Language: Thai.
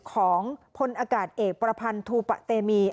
ของพลอากาศเอกประพันธ์ทูปะเตมี